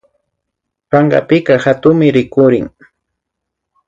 Pankapika hatunmi rikurin